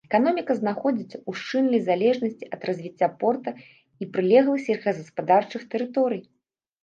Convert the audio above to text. Эканоміка знаходзіцца ў шчыльнай залежнасці ад развіцця порта і прылеглых сельскагаспадарчых тэрыторый.